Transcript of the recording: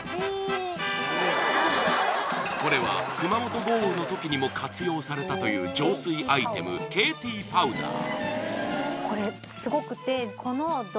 これは熊本豪雨の時にも活用されたという浄水アイテムＫＴパウダー